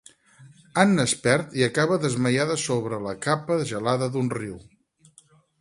Anna es perd i acaba desmaiada sobre la capa gelada d’un riu.